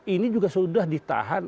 ini juga sudah ditahan